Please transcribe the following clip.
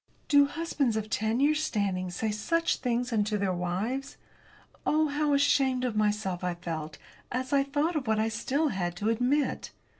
Do husbands of ten years' standing say such things unto their wives? Oh, how ashamed of myself I felt as I thought of what I still had to admit!